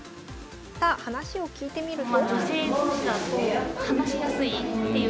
さあ話を聞いてみると。